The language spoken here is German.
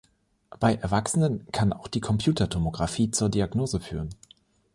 Bei Erwachsenen kann auch die Computertomografie zur Diagnose führen.